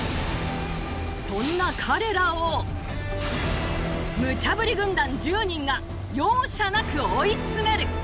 そんな彼らをムチャぶり軍団１０人が容赦なく追い詰める！